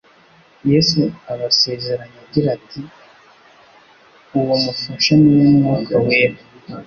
Yesu abasezeranya agira ati: "Uwo mufasha ni we Mwuka wera...